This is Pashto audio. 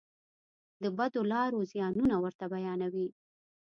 د بدو لارو زیانونه ورته بیانوي.